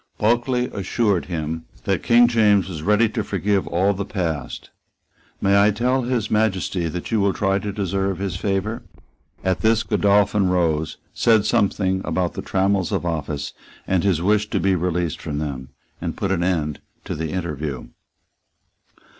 Bulkeley assured him that King James was ready to forgive all the past. "May I tell His Majesty that you will try to deserve his favour?" At this Godolphin rose, said something about the trammels of office and his wish to be released from them, and put an end to the interview.